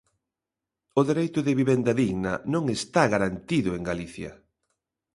O dereito de vivenda digna non está garantido en Galicia.